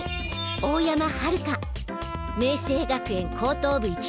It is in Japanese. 大山春夏明青学園高等部１年。